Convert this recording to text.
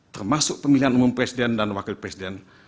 termasuk pemilihan umum presiden dan wakil presiden